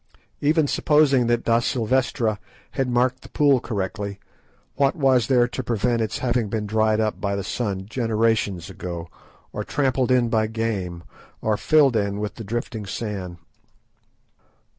Even supposing that da Silvestra had marked the pool correctly, what was there to prevent its having been dried up by the sun generations ago, or trampled in by game, or filled with the drifting sand?